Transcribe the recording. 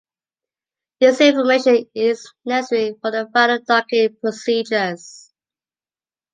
This information is necessary for the final, docking procedures.